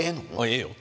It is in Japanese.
ええよ